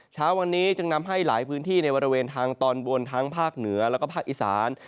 เช้าวันนี้จึงนำให้หลายพื้นที่ในบริเวณทางตอนบนทั้งภาคเหนือแล้วก็ภาคอีสาน